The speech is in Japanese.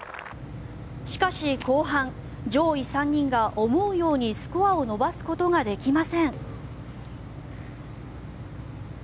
しかし、後半上位３人が思うようにスコアを伸ばすことができません。